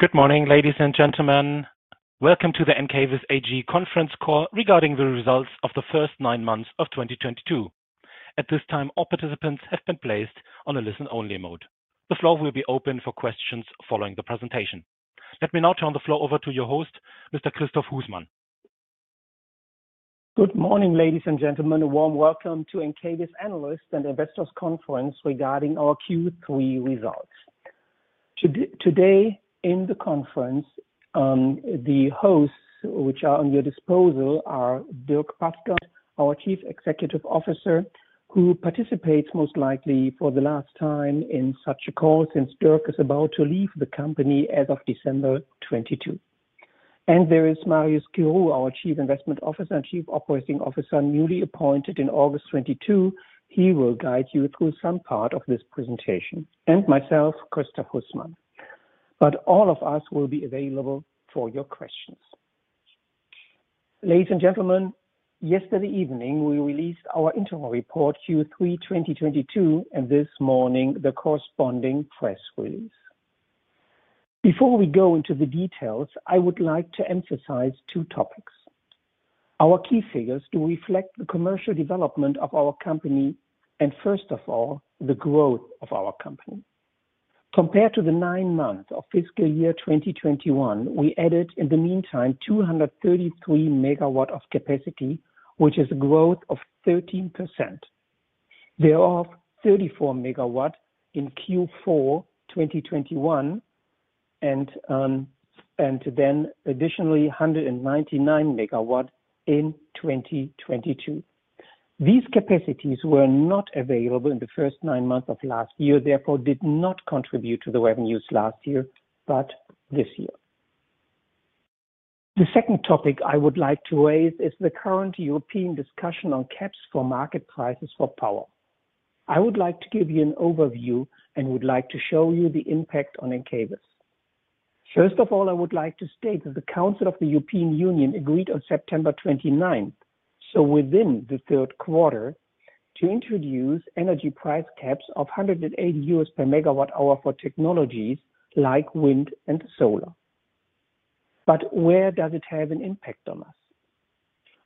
Good morning, ladies and gentlemen. Welcome to the Encavis AG conference call regarding the results of the first nine months of 2022. At this time, all participants have been placed on a listen-only mode. The floor will be open for questions following the presentation. Let me now turn the floor over to your host, Mr. Christoph Husmann. Good morning, ladies and gentlemen. A warm welcome to Encavis analyst and investors conference regarding our Q3 results. Today in the conference, the hosts, which are at your disposal are Dierk Paskert, our Chief Executive Officer, who participates most likely for the last time in such a call, since Dierk is about to leave the company as of December 2022. There is Mario Schirru, our Chief Investment Officer and Chief Operating Officer, newly appointed in August 2022. He will guide you through some part of this presentation, and myself, Christoph Husmann. All of us will be available for your questions. Ladies and gentlemen, yesterday evening, we released our interim report Q3 2022, and this morning, the corresponding press release. Before we go into the details, I would like to emphasize two topics. Our key figures do reflect the commercial development of our company and first of all, the growth of our company. Compared to the nine months of fiscal year 2021, we added, in the meantime, 233 MW of capacity, which is a growth of 13%. Thereof, 34 MW in Q4 2021 and then additionally, 199 MW in 2022. These capacities were not available in the first nine months of last year, therefore did not contribute to the revenues last year, but this year. The second topic I would like to raise is the current European discussion on caps for market prices for power. I would like to give you an overview and would like to show you the impact on Encavis. First of all, I would like to state that the Council of the European Union agreed on September 29th, so within the third quarter, to introduce energy price caps of 180 per MWh for technologies like wind and solar. Where does it have an impact on us?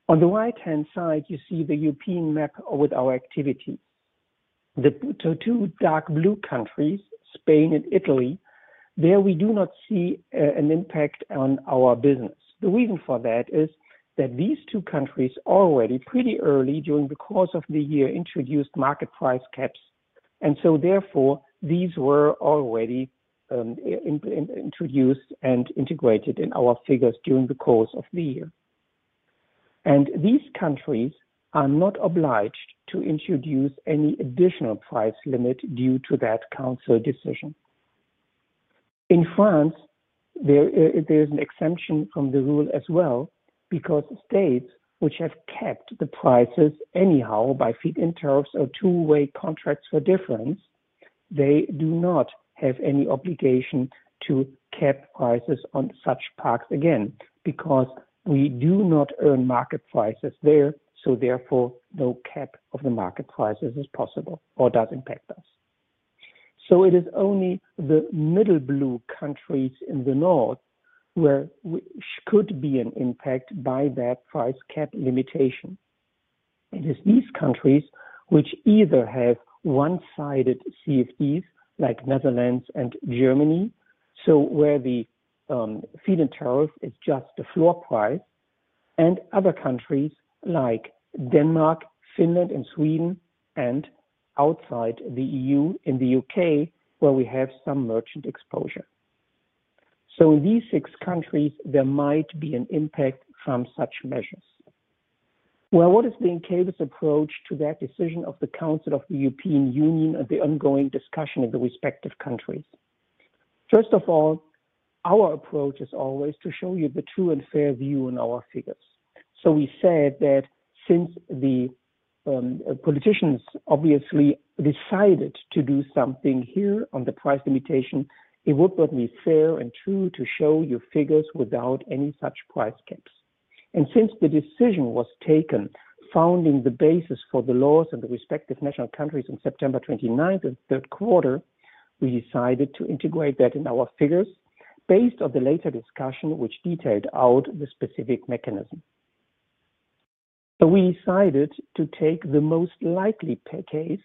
On the right-hand side, you see the European map with our activities. The two dark blue countries, Spain and Italy, there we do not see an impact on our business. The reason for that is that these two countries already pretty early during the course of the year introduced market price caps, and so therefore, these were already introduced and integrated in our figures during the course of the year. These countries are not obliged to introduce any additional price limit due to that council decision. In France, there's an exemption from the rule as well because states which have capped the prices anyhow by feed-in tariffs or two-way contracts for difference, they do not have any obligation to cap prices on such parks again, because we do not earn market prices there, so therefore, no cap of the market prices is possible or does impact us. It is only the middle blue countries in the North where which could be an impact by that price cap limitation. It is these countries which either have one-sided CFDs like Netherlands and Germany, so where the feed-in tariff is just the floor price, and other countries like Denmark, Finland, and Sweden, and outside the EU in the UK, where we have some merchant exposure. In these six countries, there might be an impact from such measures. Well, what is the Encavis approach to that decision of the Council of the European Union and the ongoing discussion in the respective countries? First of all, our approach is always to show you the true and fair view in our figures. We said that since the politicians obviously decided to do something here on the price limitation, it would only be fair and true to show you figures without any such price caps. Since the decision was taken, forming the basis for the laws of the respective national countries on September 29th of third quarter, we decided to integrate that in our figures based on the later discussion, which detailed out the specific mechanism. We decided to take the most likely case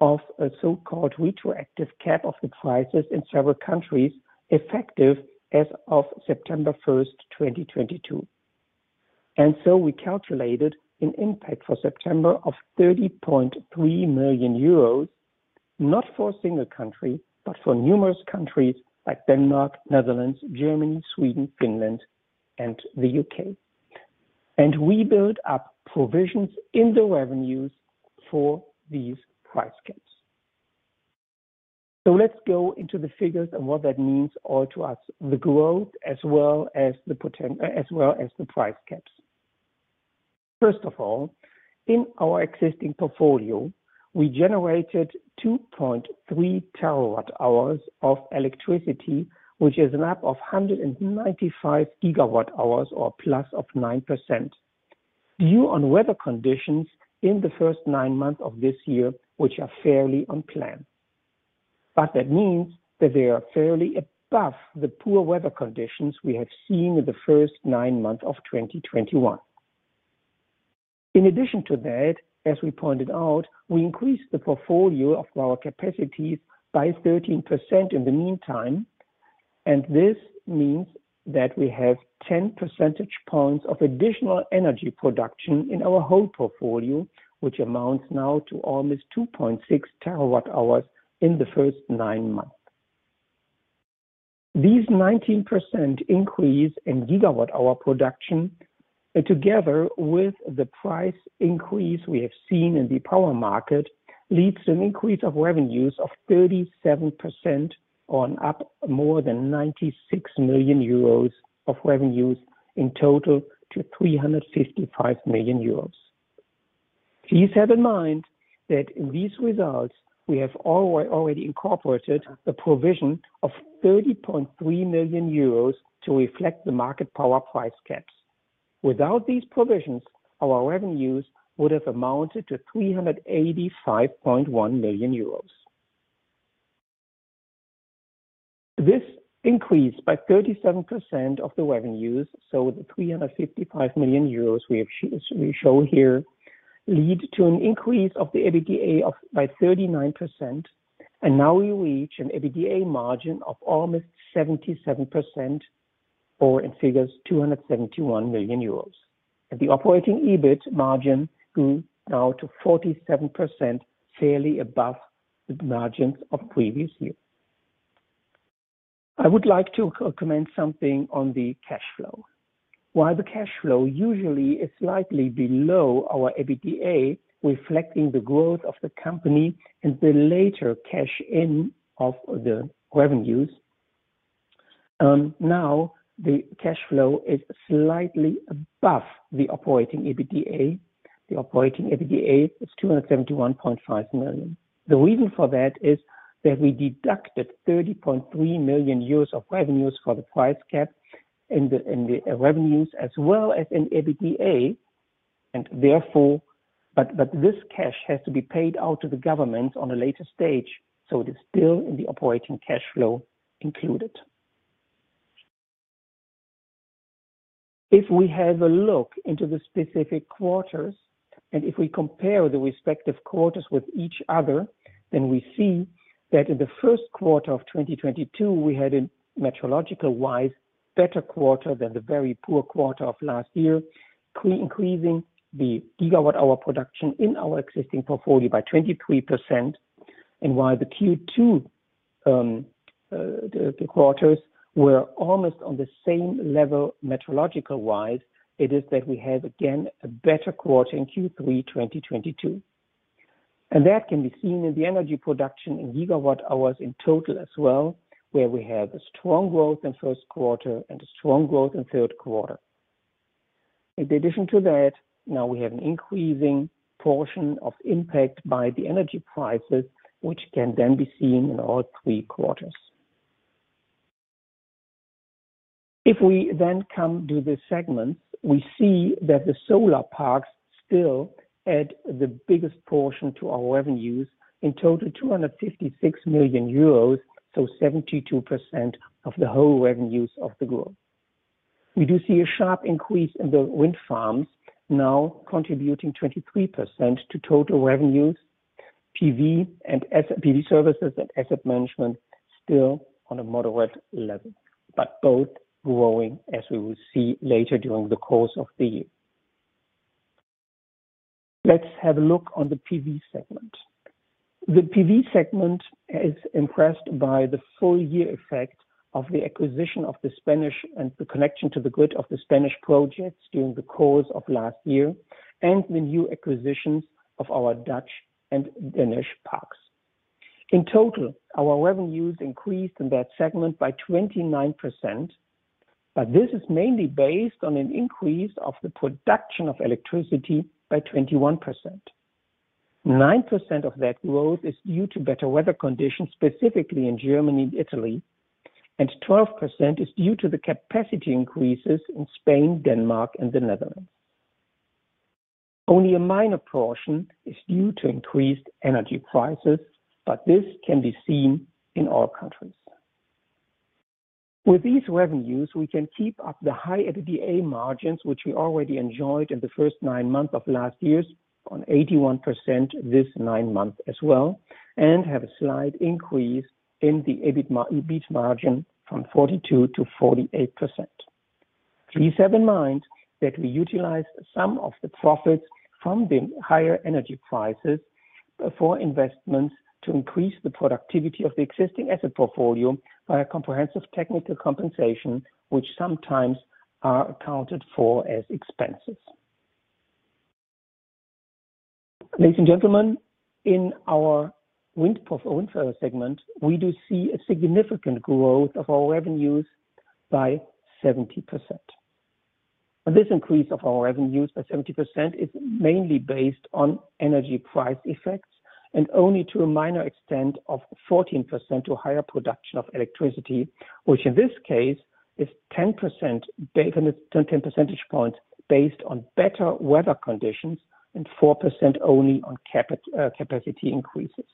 of a so-called retroactive cap of the prices in several countries, effective as of September 1st, 2022. We calculated an impact for September of 30.3 million euros, not for a single country, but for numerous countries like Denmark, Netherlands, Germany, Sweden, Finland, and the UK. We build up provisions in the revenues for these price caps. Let's go into the figures and what that means all to us, the growth as well as the price caps. First of all, in our existing portfolio, we generated 2.3 TWh of electricity, which is an up of 195 GWh or plus of 9%. Due to weather conditions in the first nine months of this year, which are fairly on plan. That means that they are fairly above the poor weather conditions we have seen in the first nine months of 2021. In addition to that, as we pointed out, we increased the portfolio of our capacities by 13% in the meantime, and this means that we have 10 percentage points of additional energy production in our whole portfolio, which amounts now to almost 2.6 TWh in the first nine months. This 19% increase in gigawatts-hour production, and together with the price increase we have seen in the power market, leads to an increase of revenues of 37%, up more than 96 million euros of revenues in total to 355 million euros. Please have in mind that in these results, we have already incorporated a provision of 30.3 million euros to reflect the market power price caps. Without these provisions, our revenues would have amounted to 385.1 million euros. This increase by 37% of the revenues, so the 355 million euros we have, we show here, leads to an increase of the EBITDA by 39%, and now we reach an EBITDA margin of almost 77%, or in figures, 271 million euros. The operating EBIT margin grew now to 47%, fairly above the margins of previous years. I would like to comment something on the cash flow. While the cash flow usually is slightly below our EBITDA, reflecting the growth of the company and the later cash in of the revenues, now the cash flow is slightly above the operating EBITDA. The operating EBITDA is 271.5 million. The reason for that is that we deducted 30.3 million euros of revenues for the price cap in the revenues, as well as in EBITDA, and therefore. This cash has to be paid out to the government at a later stage, so it is still in the operating cash flow included. If we have a look into the specific quarters, and if we compare the respective quarters with each other, then we see that in the first quarter of 2022, we had a meteorological-wise better quarter than the very poor quarter of last year, increasing the gigawatt-hour production in our existing portfolio by 23%. While the Q2, the quarters were almost on the same level meteorological-wise, it is that we have again a better quarter in Q3 2022. That can be seen in the energy production in gigawatt-hours in total as well, where we have a strong growth in first quarter and a strong growth in third quarter. In addition to that, now we have an increasing portion of impact by the energy prices, which can then be seen in all three quarters. If we then come to the segments, we see that the solar parks still add the biggest portion to our revenues, in total 256 million euros, so 72% of the whole revenues of the group. We do see a sharp increase in the wind farms, now contributing 23% to total revenues. PV and PV services and asset management still on a moderate level, but both growing, as we will see later during the course of the year. Let's have a look on the PV segment. The PV segment is impressed by the full year effect of the acquisition of the Spanish and the connection to the grid of the Spanish projects during the course of last year, and the new acquisitions of our Dutch and Danish parks. In total, our revenues increased in that segment by 29%, but this is mainly based on an increase of the production of electricity by 21%. 9% of that growth is due to better weather conditions, specifically in Germany and Italy, and 12% is due to the capacity increases in Spain, Denmark and the Netherlands. Only a minor portion is due to increased energy prices, but this can be seen in all countries. With these revenues, we can keep up the high EBITDA margins, which we already enjoyed in the first nine months of last years on 81% this nine months as well, and have a slight increase in the EBIT margin from 42%-48%. Please have in mind that we utilized some of the profits from the higher energy prices for investments to increase the productivity of the existing asset portfolio by a comprehensive technical compensation, which sometimes are accounted for as expenses. Ladies and gentlemen, in our wind segment, we do see a significant growth of our revenues by 70%. This increase of our revenues by 70% is mainly based on energy price effects and only to a minor extent of 14% to higher production of electricity, which in this case is 10% based on... 10 percentage points based on better weather conditions and 4% only on capacity increases.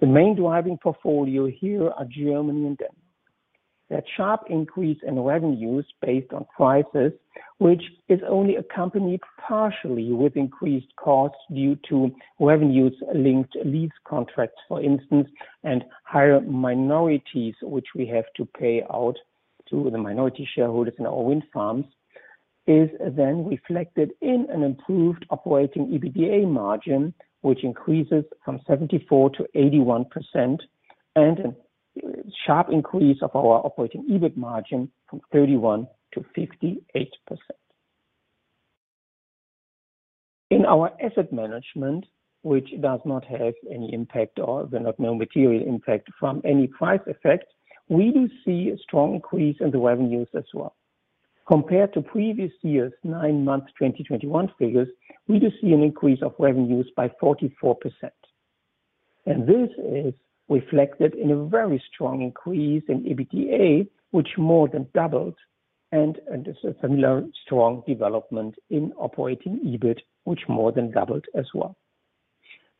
The main driving portfolio here are Germany and Denmark. That sharp increase in revenues based on prices, which is only accompanied partially with increased costs due to revenues linked lease contracts, for instance, and higher minorities, which we have to pay out to the minority shareholders in our wind farms, is then reflected in an improved operating EBITDA margin, which increases from 74%-81% and a sharp increase of our operating EBIT margin from 31%-58%. In our asset management, which does not have any impact or there's not no material impact from any price effect, we do see a strong increase in the revenues as well. Compared to previous years, nine months, 2021 figures, we do see an increase of revenues by 44%. This is reflected in a very strong increase in EBITDA, which more than doubled, and is a similar strong development in operating EBIT, which more than doubled as well.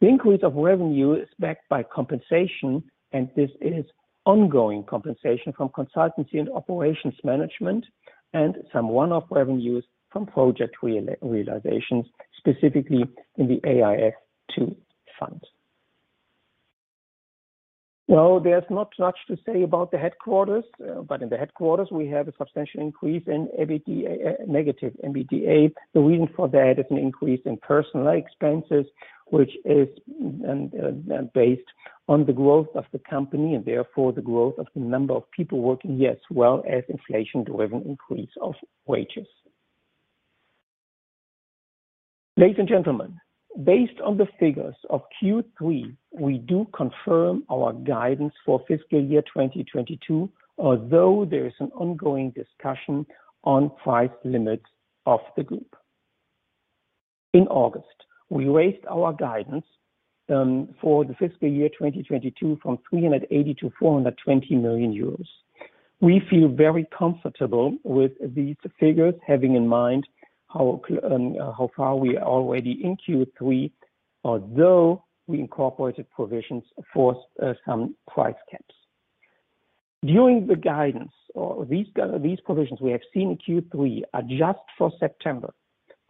The increase of revenue is backed by compensation, and this is ongoing compensation from consultancy and operations management, and some one-off revenues from project realizations, specifically in the AIF2 fund. Now, there's not much to say about the headquarters, but in the headquarters we have a substantial increase in EBITDA, negative EBITDA. The reason for that is an increase in personnel expenses, which is based on the growth of the company and therefore the growth of the number of people working here, as well as inflation-driven increase of wages. Ladies and gentlemen, based on the figures of Q3, we do confirm our guidance for fiscal year 2022, although there is an ongoing discussion on price limits of the group. In August, we raised our guidance for the fiscal year 2022 from 380 million-420 million euros. We feel very comfortable with these figures, having in mind how far we are already in Q3, although we incorporated provisions for some price caps. During the guidance or these provisions we have seen in Q3 are just for September.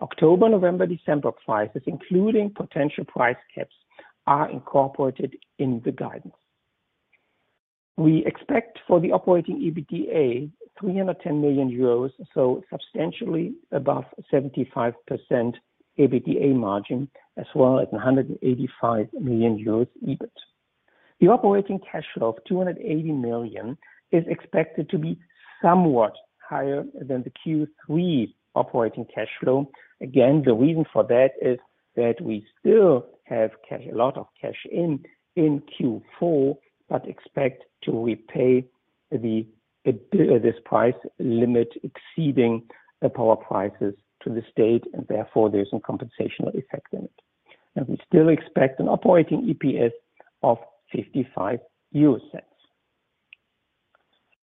October, November, December prices, including potential price caps, are incorporated in the guidance. We expect for the operating EBITDA, 310 million euros, so substantially above 75% EBITDA margin, as well as 185 million euros EBIT. The operating cash flow of 280 million is expected to be somewhat higher than the Q3 operating cash flow. Again, the reason for that is that we still have cash, a lot of cash in Q4, but expect to repay this price limit exceeding the power prices to the state, and therefore there's some compensation effect in it. We still expect an operating EPS of 0.55 EUR.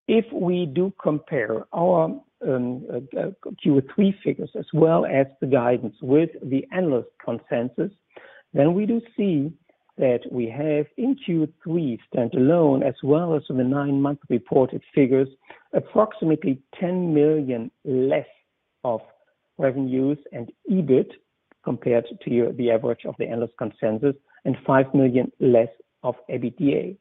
If we do compare our Q3 figures as well as the guidance with the analyst consensus, then we do see that we have in Q3 standalone as well as in the nine-month reported figures, approximately 10 million less of revenues and EBIT compared to the average of the analyst consensus and 5 million less of EBITDA.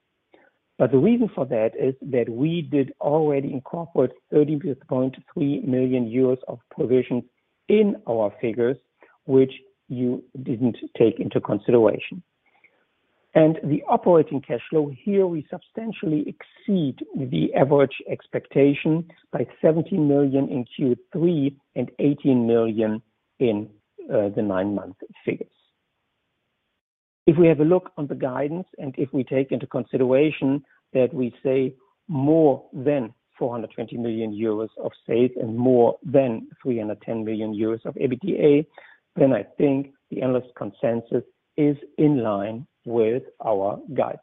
The reason for that is that we did already incorporate 30.3 million euros of provisions in our figures, which you didn't take into consideration. The operating cash flow here, we substantially exceed the average expectation by 17 million in Q3 and 18 million in the nine-month figures. If we have a look on the guidance, and if we take into consideration that we say more than 420 million euros of save and more than 310 million euros of EBITDA, then I think the analyst consensus is in line with our guidance.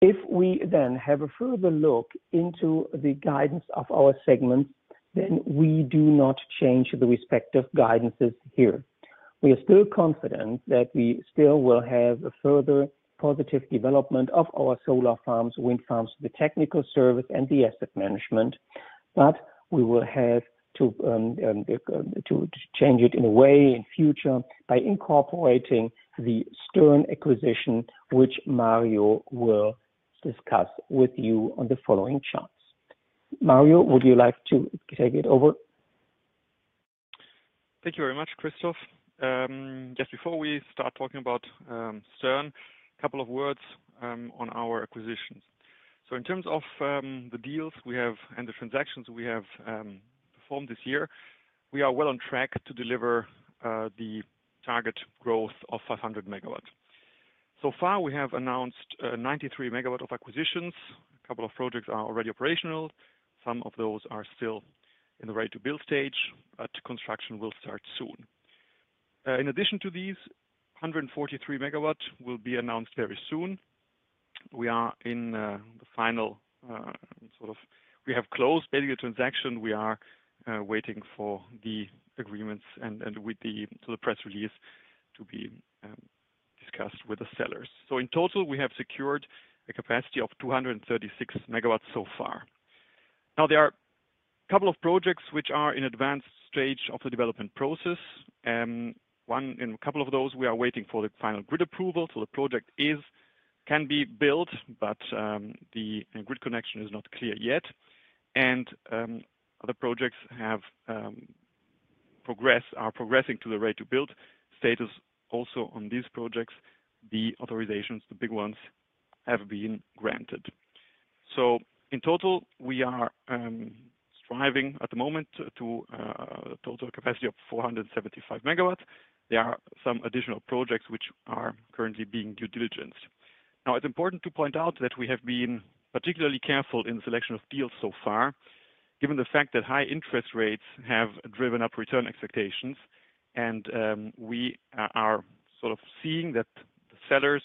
If we then have a further look into the guidance of our segments, then we do not change the respective guidances here. We are still confident that we still will have a further positive development of our solar farms, wind farms, the technical service and the asset management. We will have to change it in a way in future by incorporating the Stern acquisition, which Mario will discuss with you on the following charts. Mario, would you like to take it over? Thank you very much, Christoph. Just before we start talking about Stern, a couple of words on our acquisitions. In terms of the deals we have and the transactions we have performed this year, we are well on track to deliver the target growth of 500 MW. So far, we have announced 93 MW of acquisitions. A couple of projects are already operational. Some of those are still in the ready-to-build stage, but construction will start soon. In addition to these, 143 MW will be announced very soon. We have closed basically a transaction. We are waiting for the agreements and the press release to be discussed with the sellers. In total, we have secured a capacity of 236 MW so far. Now, there are a couple of projects which are in advanced stage of the development process. In a couple of those, we are waiting for the final grid approval, so the project can be built, but the grid connection is not clear yet. Other projects are progressing to the ready-to-build status. Also, on these projects, the authorizations, the big ones, have been granted. In total, we are striving at the moment for a total capacity of 475 MW. There are some additional projects which are currently under due diligence. Now, it's important to point out that we have been particularly careful in the selection of deals so far, given the fact that high interest rates have driven up return expectations and, we are sort of seeing that the sellers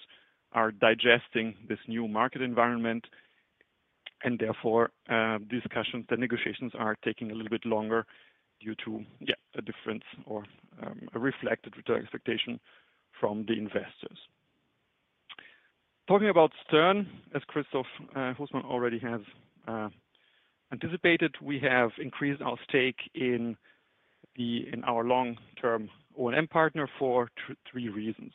are digesting this new market environment and therefore, the discussions, the negotiations are taking a little bit longer due to a difference or, a reflected return expectation from the investors. Talking about Stern, as Christoph Husmann already has anticipated, we have increased our stake in the in our long-term O&M partner for three reasons.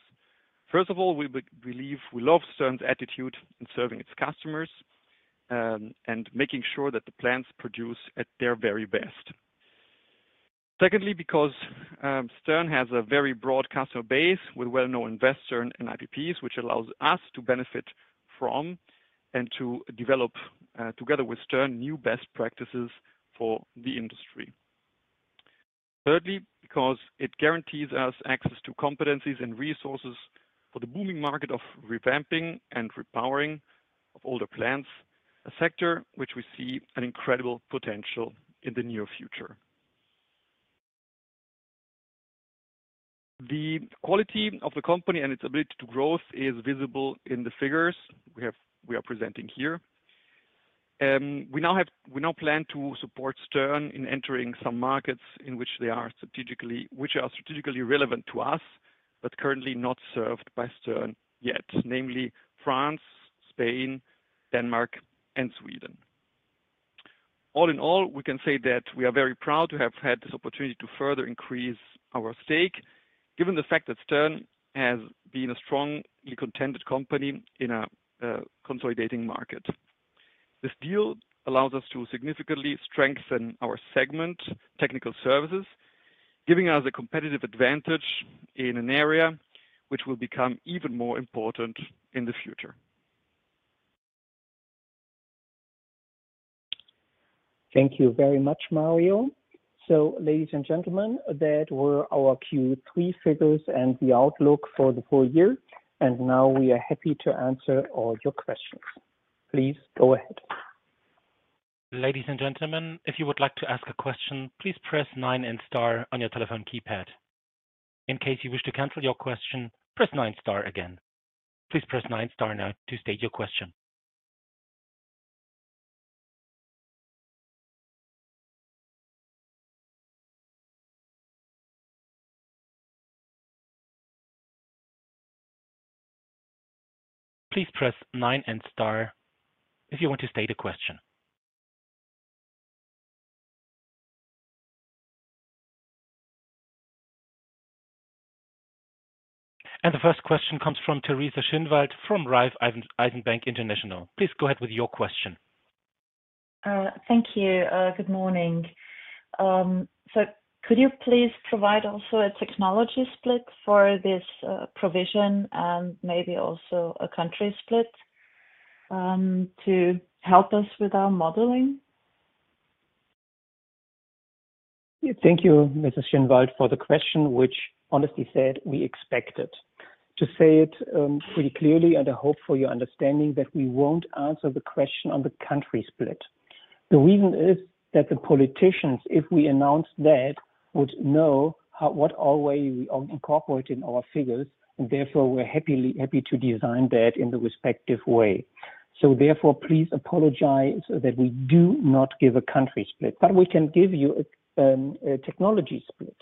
First of all, we believe we love Stern's attitude in serving its customers, and making sure that the plants produce at their very best. Secondly, because Stern has a very broad customer base with well-known investors and IPPs, which allows us to benefit from and to develop together with Stern, new best practices for the industry. Thirdly, because it guarantees us access to competencies and resources for the booming market of revamping and repowering of older plants, a sector which we see an incredible potential in the near future. The quality of the company and its ability to grow is visible in the figures we are presenting here. We now plan to support Stern in entering some markets which are strategically relevant to us, but currently not served by Stern yet, namely France, Spain, Denmark, and Sweden. All in all, we can say that we are very proud to have had this opportunity to further increase our stake, given the fact that Stern has been a strongly contested company in a consolidating market. This deal allows us to significantly strengthen our segment, technical services, giving us a competitive advantage in an area which will become even more important in the future. Thank you very much, Mario. Ladies and gentlemen, that were our Q3 figures and the outlook for the full year, and now we are happy to answer all your questions. Please go ahead. Ladies and gentlemen, if you would like to ask a question, please press nine and star on your telephone keypad. In case you wish to cancel your question, press nine star again. Please press nine star now to state your question. Please press nine and star if you want to state a question. The first question comes from Teresa Schinwald from Raiffeisen Bank International. Please go ahead with your question. Thank you. Good morning. Could you please provide also a technology split for this provision and maybe also a country split to help us with our modeling? Yeah. Thank you, Mrs. Schinwald, for the question, which honestly said we expected. To say it pretty clearly and I hope for your understanding that we won't answer the question on the country split. The reason is that the politicians, if we announce that, would know how we are incorporating our figures, and therefore we're happy to design that in the respective way. Therefore, please apologize that we do not give a country split, but we can give you a technology split.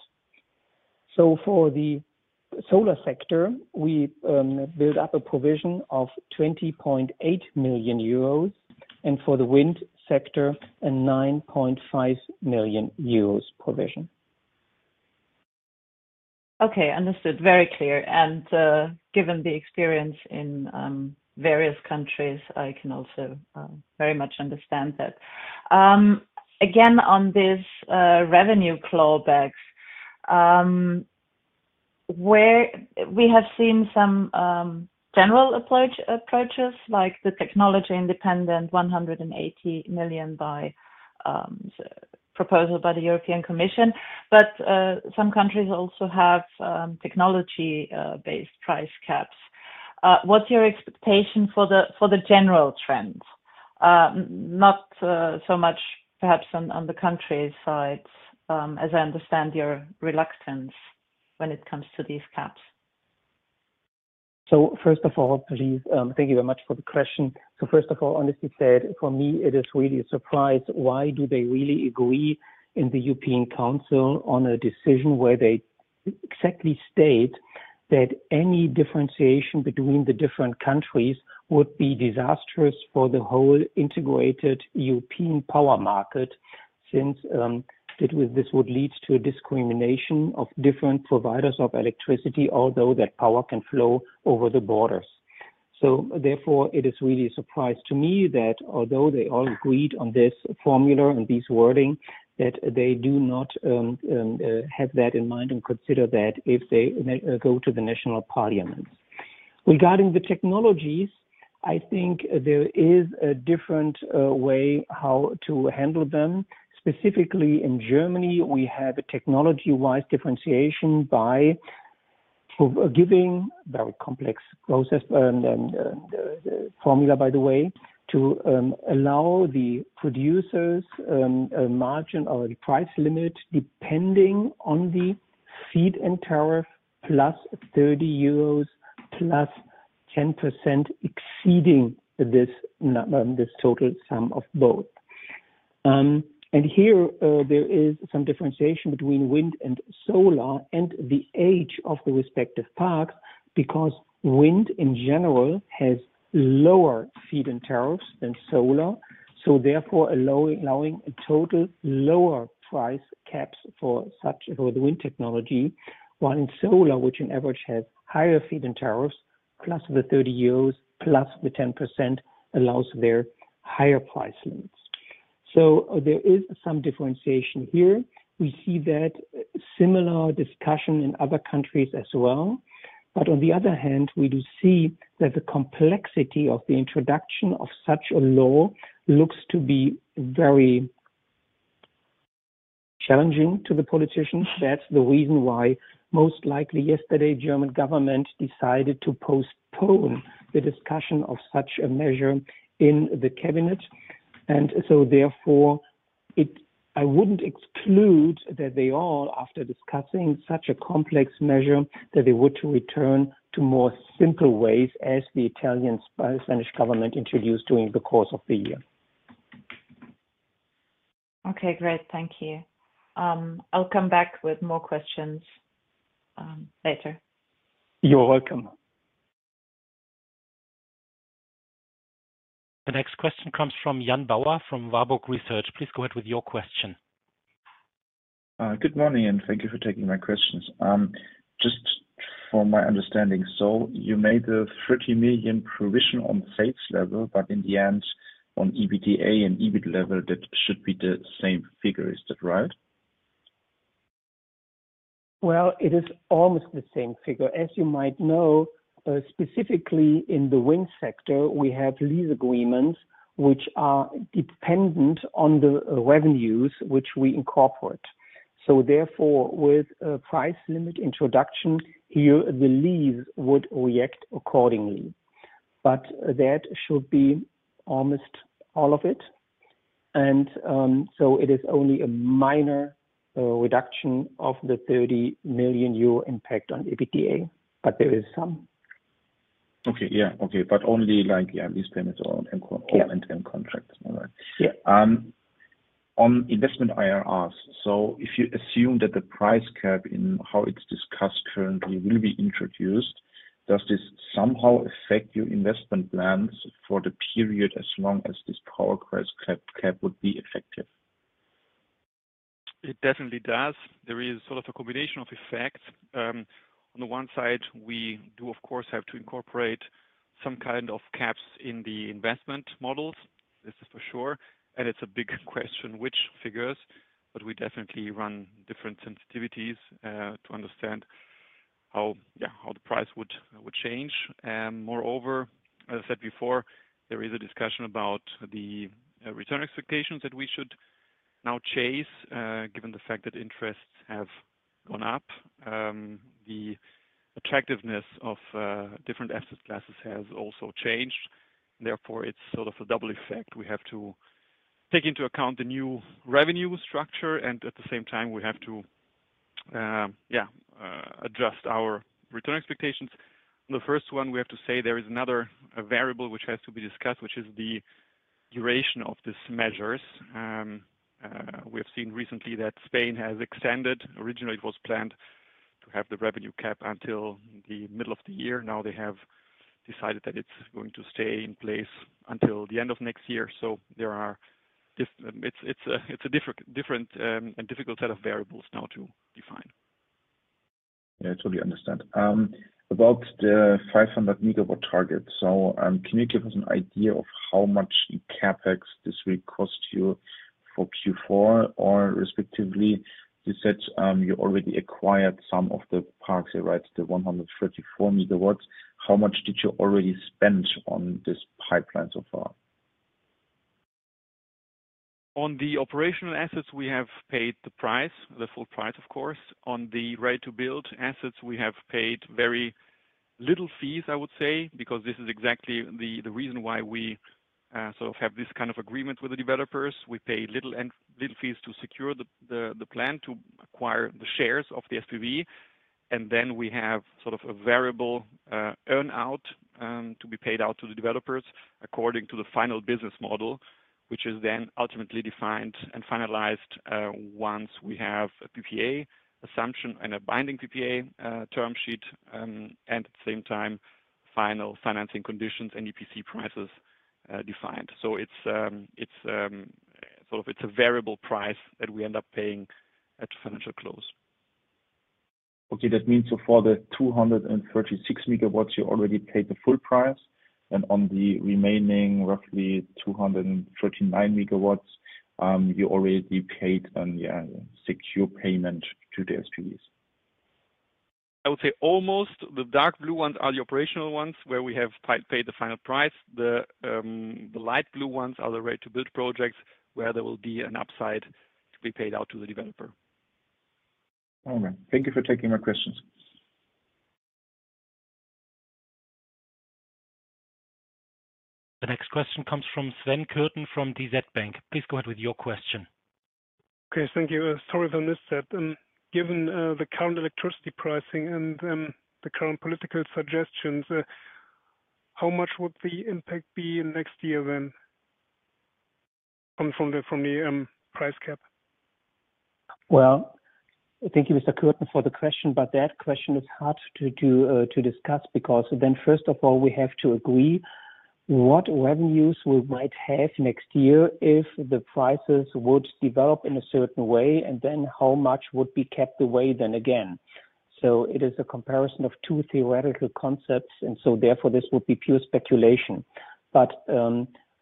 For the solar sector, we build up a provision of 20.8 million euros, and for the wind sector, a 9.5 million euros provision. Okay. Understood. Very clear. Given the experience in various countries, I can also very much understand that. Again, on this revenue clawbacks, where we have seen some general approaches like the technology independent 180 million proposal by the European Commission. Some countries also have technology based price caps. What's your expectation for the general trends? Not so much perhaps on the country side as I understand your reluctance when it comes to these caps. First of all, please, thank you very much for the question. First of all, honestly said, for me it is really a surprise why they really agree in the European Council on a decision where they exactly state that any differentiation between the different countries would be disastrous for the whole integrated European power market since this would lead to a discrimination of different providers of electricity, although that power can flow over the borders. Therefore, it is really a surprise to me that although they all agreed on this formula and this wording, that they do not have that in mind and consider that if they go to the national parliaments. Regarding the technologies, I think there is a different way how to handle them. Specifically in Germany, we have a technology-wise differentiation by giving very complex process and formula by the way to allow the producers a margin or a price limit depending on the feed-in tariff plus 30 euros plus 10% exceeding this total sum of both. Here there is some differentiation between wind and solar and the age of the respective parks, because wind in general has lower feed-in tariffs than solar, so therefore allowing a total lower price caps for such for the wind technology. While in solar, which on average has higher feed-in tariffs, plus the 30 euros plus the 10% allows their higher price limits. There is some differentiation here. We see a similar discussion in other countries as well. On the other hand, we do see that the complexity of the introduction of such a law looks to be very challenging to the politicians. That's the reason why most likely yesterday, German government decided to postpone the discussion of such a measure in the cabinet. Therefore, I wouldn't exclude that they all, after discussing such a complex measure, that they would return to more simple ways as the Italian and Spanish governments introduced during the course of the year. Okay, great. Thank you. I'll come back with more questions, later. You're welcome. The next question comes from Jan Bauer from Warburg Research. Please go ahead with your question. Good morning, and thank you for taking my questions. Just for my understanding. You made a 30 million provision on sales level, but in the end, on EBITDA and EBIT level, that should be the same figure. Is that right? Well, it is almost the same figure. As you might know, specifically in the wind sector, we have lease agreements which are dependent on the revenues which we incorporate. Therefore, with a price limit introduction, here the lease would react accordingly. That should be almost all of it. It is only a minor reduction of the 30 million euro impact on EBITDA, but there is some. Okay. Yeah. Okay. Only like, yeah, these payments are on end-to-end contract. All right. Yeah. On investment IRRs. If you assume that the price cap in how it's discussed currently will be introduced, does this somehow affect your investment plans for the period as long as this power price cap would be effective? It definitely does. There is sort of a combination of effects. On the one side, we do of course have to incorporate some kind of caps in the investment models, this is for sure. It's a big question which figures, but we definitely run different sensitivities to understand how the price would change. Moreover, as I said before, there is a discussion about the return expectations that we should now chase given the fact that interests have gone up. The attractiveness of different asset classes has also changed. Therefore, it's sort of a double effect. We have to take into account the new revenue structure, and at the same time, we have to adjust our return expectations. The first one, we have to say there is another variable which has to be discussed, which is the duration of these measures. We have seen recently that Spain has extended. Originally, it was planned to have the revenue cap until the middle of the year. Now they have decided that it's going to stay in place until the end of next year. It's a different and difficult set of variables now to define. Yeah, totally understand. About the 500 MW target. Can you give us an idea of how much in CapEx this will cost you for Q4? Or respectively, you said you already acquired some of the parks, right? The 134 MW. How much did you already spend on this pipeline so far? On the operational assets, we have paid the price, the full price, of course. On the right to build assets, we have paid very little fees, I would say, because this is exactly the reason why we sort of have this kind of agreement with the developers. We pay little fees to secure the plan to acquire the shares of the SPV. Then we have sort of a variable earn-out to be paid out to the developers according to the final business model, which is then ultimately defined and finalized once we have a PPA assumption and a binding PPA term sheet, and at the same time, final financing conditions and EPC prices defined. It's sort of a variable price that we end up paying at financial close. That means for the 236 MW, you already paid the full price. On the remaining roughly 239 MW, you already paid on the secure payment to the SPVs. I would say almost. The dark blue ones are the operational ones where we have paid the final price. The light blue ones are the ready-to-build projects where there will be an upside to be paid out to the developer. All right. Thank you for taking my questions. The next question comes from Sven Kürten from DZ Bank. Please go ahead with your question. Okay. Thank you. Sorry for the mishap. Given the current electricity pricing and the current political suggestions, how much would the impact be in next year then from the price cap? Thank you, Mr. Kürten, for the question, but that question is hard to discuss because then first of all, we have to agree what revenues we might have next year if the prices would develop in a certain way, and then how much would be kept away then again. It is a comparison of two theoretical concepts, and therefore, this would be pure speculation.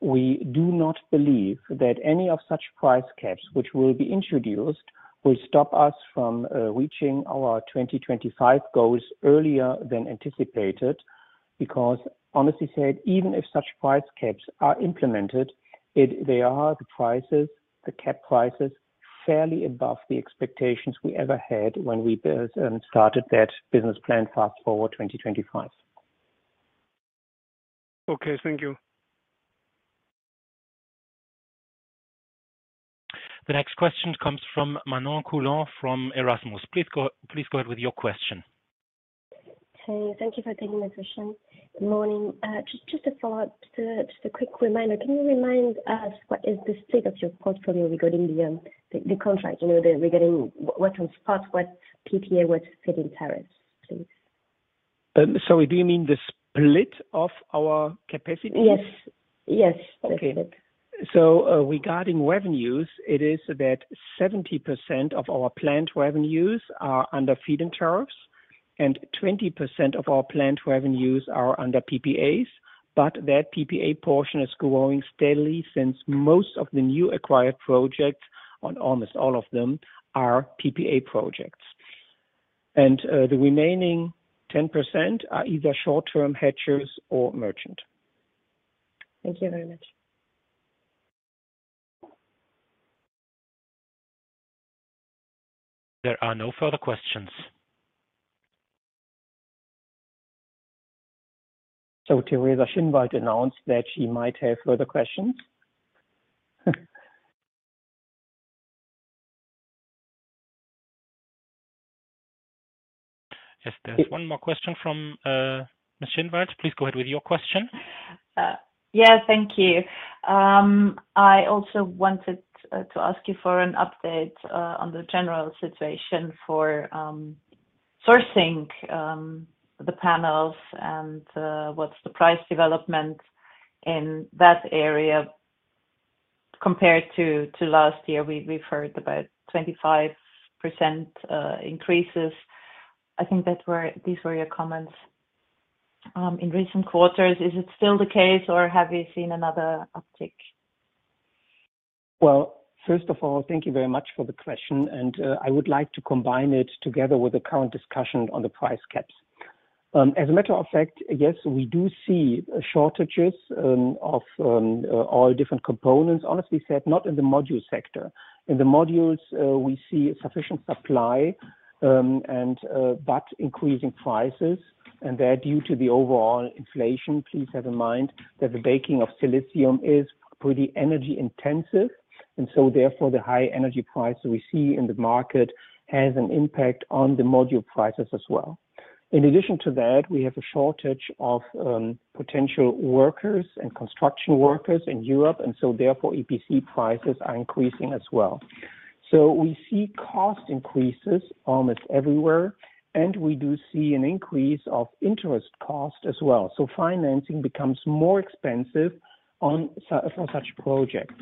We do not believe that any of such price caps, which will be introduced, will stop us from reaching our 2025 goals earlier than anticipated. Because honestly said, even if such price caps are implemented, they are the prices, the cap prices, fairly above the expectations we ever had when we built and started that business plan Fast Forward 2025. Okay. Thank you. The next question comes from Manon Coulon from Erasmus Gestion SAS. Please go ahead with your question. Okay. Thank you for taking my question. Morning. Just a follow-up. Just a quick reminder. Can you remind us what is the state of your portfolio regarding the contract? You know, regarding what's on spot, what PPA, what feed-in tariffs, please. Sorry, do you mean the split of our capacity? Yes. Yes. Okay. That's it. Regarding revenues, it is that 70% of our planned revenues are under feed-in tariffs, and 20% of our planned revenues are under PPAs. That PPA portion is growing steadily since most of the new acquired projects, or almost all of them, are PPA projects. The remaining 10% are either short-term hedgers or merchant. Thank you very much. There are no further questions. Teresa Schinwald announced that she might have further questions. Yes. There's one more question from Ms. Schinwald. Please go ahead with your question. Yeah. Thank you. I also wanted to ask you for an update on the general situation for sourcing the panels and what's the price development in that area compared to last year. We've heard about 25% increases. I think these were your comments in recent quarters. Is it still the case or have you seen another uptick? Well, first of all, thank you very much for the question, and I would like to combine it together with the current discussion on the price caps. As a matter of fact, yes, we do see shortages of all different components. Honestly said, not in the module sector. In the modules, we see sufficient supply, and but increasing prices, and they're due to the overall inflation. Please have in mind that the making of silicon is pretty energy intensive, and so therefore, the high energy price we see in the market has an impact on the module prices as well. In addition to that, we have a shortage of potential workers and construction workers in Europe, and so therefore, EPC prices are increasing as well. We see cost increases almost everywhere, and we do see an increase of interest cost as well. Financing becomes more expensive on such projects.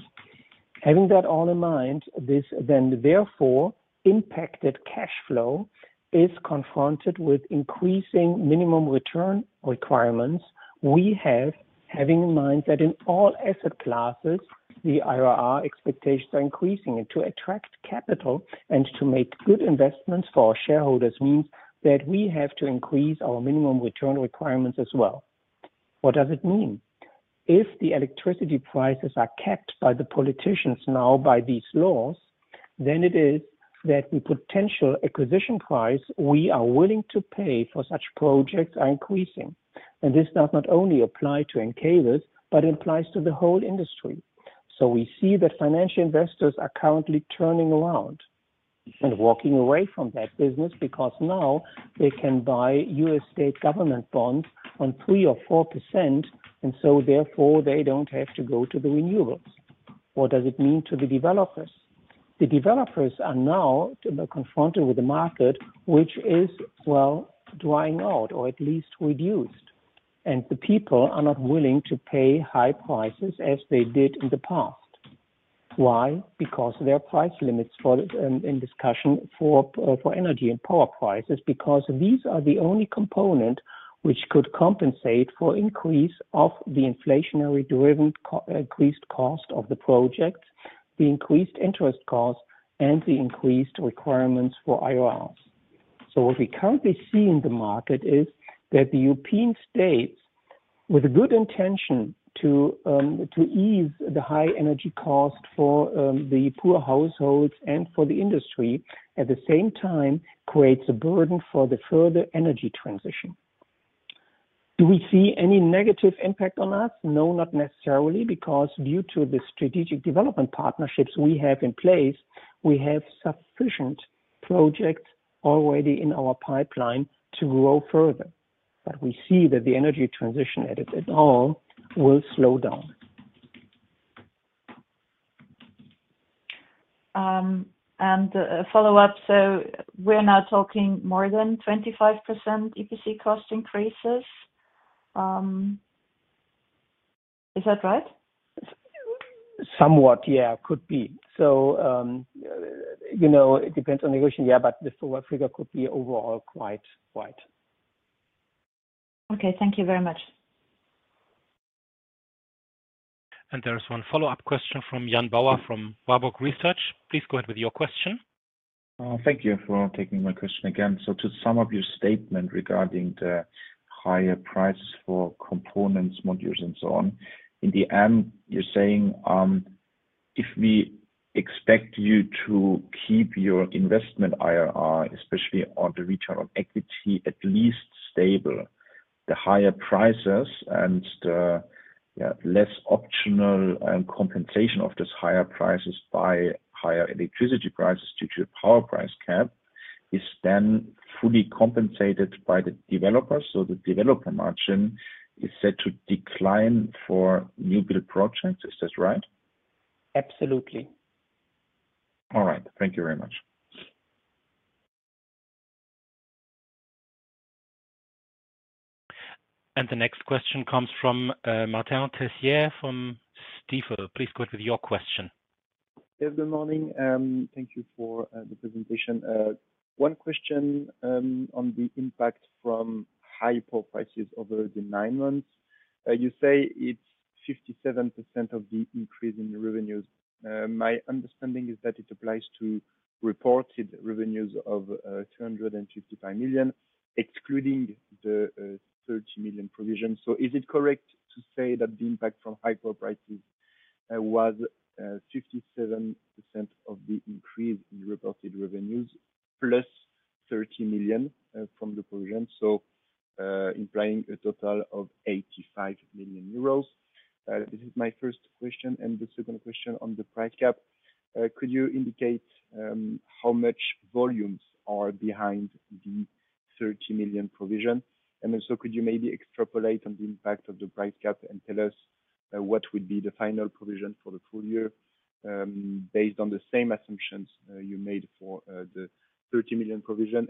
Having that all in mind, this then therefore impacted cash flow is confronted with increasing minimum return requirements. We have, having in mind that in all asset classes, the IRR expectations are increasing. To attract capital and to make good investments for our shareholders means that we have to increase our minimum return requirements as well. What does it mean? If the electricity prices are kept by the politicians now by these laws, then it is that the potential acquisition price we are willing to pay for such projects are increasing. This does not only apply to Encavis, but it applies to the whole industry. We see that financial investors are currently turning around and walking away from that business because now they can buy U.S. state government bonds on 3% or 4%, and so therefore, they don't have to go to the renewables. What does it mean to the developers? The developers are now confronted with a market which is, well, drying out or at least reduced, and the people are not willing to pay high prices as they did in the past. Why? Because there are price limits in discussion for energy and power prices. Because these are the only component which could compensate for increase of the inflationary-driven increased cost of the projects, the increased interest costs, and the increased requirements for IRR. What we currently see in the market is that the European states, with good intention to ease the high energy cost for the poor households and for the industry, at the same time creates a burden for the further energy transition. Do we see any negative impact on us? No, not necessarily, because due to the strategic development partnerships we have in place, we have sufficient projects already in our pipeline to grow further. We see that the energy transition as a whole will slow down. A follow-up. We're now talking more than 25% EPC cost increases. Is that right? Somewhat, yeah. Could be. You know, it depends on negotiation, yeah, but the forward figure could be overall quite wide. Okay. Thank you very much. There is one follow-up question from Jan Bauer from Warburg Research. Please go ahead with your question. Thank you for taking my question again. To sum up your statement regarding the higher prices for components, modules, and so on. In the end, you're saying, if we expect you to keep your investment IRR, especially on the return on equity, at least stable, the higher prices and the less optimal compensation of these higher prices by higher electricity prices due to the power price cap is then fully compensated by the developer, so the developer margin is set to decline for new build projects. Is this right? Absolutely. All right. Thank you very much. The next question comes from Martin Tessier from Stifel. Please go ahead with your question. Yes, good morning, and thank you for the presentation. One question on the impact from high power prices over the nine months. You say it's 57% of the increase in your revenues. My understanding is that it applies to reported revenues of 255 million, excluding the 30 million provision. Is it correct to say that the impact from high power prices was 57% of the increase in reported revenues, +30 million from the provision, implying a total of 85 million euros? This is my first question. The second question on the price cap, could you indicate how much volumes are behind the 30 million provision? Also, could you maybe extrapolate on the impact of the price cap and tell us what would be the final provision for the full year, based on the same assumptions you made for the 30 million provision?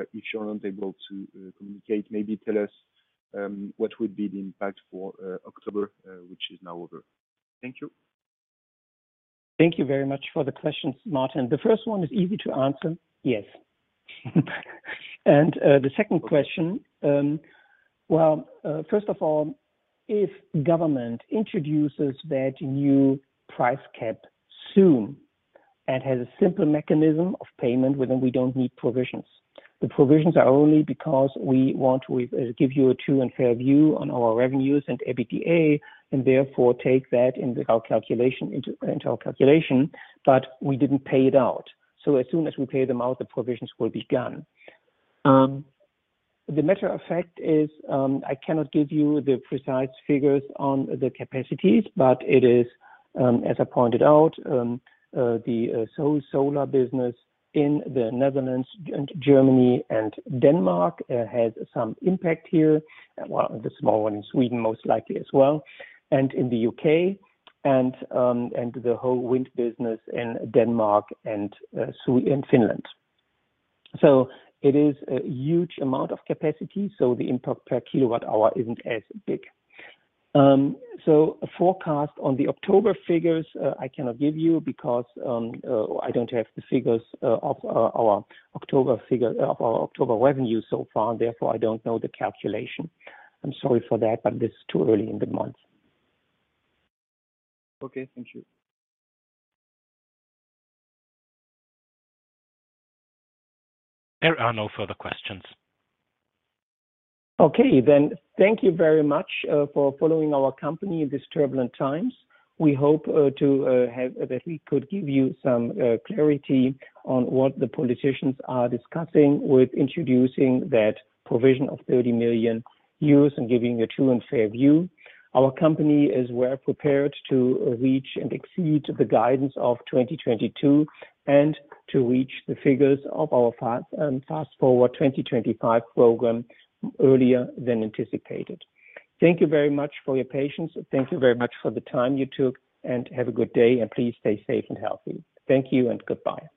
If you're unable to communicate, maybe tell us what would be the impact for October, which is now over. Thank you. Thank you very much for the questions, Martin Tessier. The first one is easy to answer. Yes. The second question, well, first of all, if the government introduces that new price cap soon and has a simple mechanism of payment, well then we don't need provisions. The provisions are only because we want to give you a true and fair view on our revenues and EBITDA, and therefore, take that into our calculation, but we didn't pay it out. As soon as we pay them out, the provisions will be gone. The matter of fact is, I cannot give you the precise figures on the capacities, but it is, as I pointed out, the solar business in the Netherlands and Germany and Denmark has some impact here. Well, the small one in Sweden most likely as well, and in the U.K. and the whole wind business in Denmark and Finland. It is a huge amount of capacity, so the impact per kilowatt hour isn't as big. A forecast on the October figures I cannot give you because I don't have the figures of our October revenue so far, and therefore I don't know the calculation. I'm sorry for that, but it's too early in the month. Okay. Thank you. There are no further questions. Okay. Thank you very much for following our company in this turbulent times. We hope that we could give you some clarity on what the politicians are discussing with introducing that provision of 30 million euros and giving a true and fair view. Our company is well-prepared to reach and exceed the guidance of 2022 and to reach the figures of our Fast Forward 2025 program earlier than anticipated. Thank you very much for your patience. Thank you very much for the time you took, and have a good day and please stay safe and healthy. Thank you and goodbye.